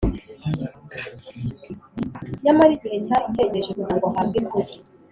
’ nyamara igihe cyari cyegereje kugira ngo ahabwe ikuzo